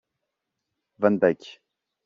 Van Dyke.